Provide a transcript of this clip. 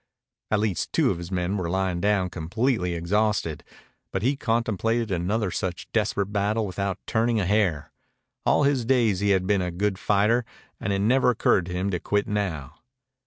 At least two of his men were lying down completely exhausted, but he contemplated another such desperate battle without turning a hair. All his days he had been a good fighter, and it never occurred to him to quit now.